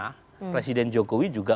karena presiden jokowi juga